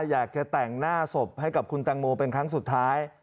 อยากจะแต่งหน้าศพให้กับคุณตังโมเป็นครั้งสุดท้าย